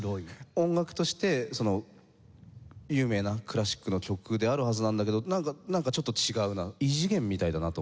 音楽として有名なクラシックの曲であるはずなんだけどなんかちょっと違うな異次元みたいだなと思って。